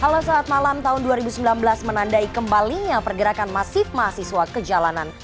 halo saat malam tahun dua ribu sembilan belas menandai kembalinya pergerakan masif mahasiswa ke jalanan